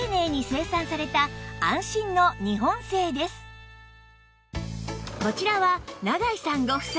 またこちらは永井さんご夫妻